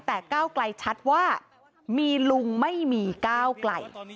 แต่ก้าวไกลชัดว่ามีลุงไม่มีก้าวไกล